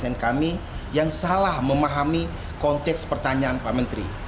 senen kami yang salah memahami konteks pertanyaan pak menteri